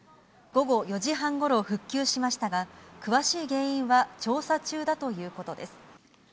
午後４時半ごろ、復旧しましたが、詳しい原因は調査中だということです。